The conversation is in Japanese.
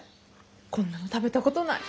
こんなの食べたことない！